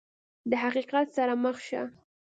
د حقیقت سره مخ شه !